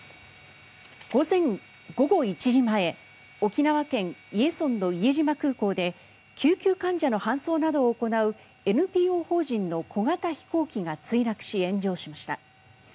午後１時前沖縄県伊江村の伊江島空港で救急患者の搬送などを行うＮＰＯ法人の小型飛行機が墜落し炎上しました。